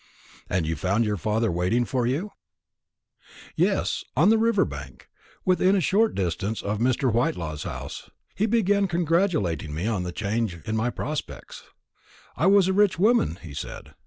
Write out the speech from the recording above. "And you found your father waiting for you?" "Yes, on the river bank, within a short distance of Mr. Whitelaw's house. He began by congratulating me on the change in my prospects, I was a rich woman, he said.